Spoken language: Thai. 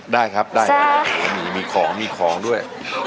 ได้ครับได้มีของมีของด้วย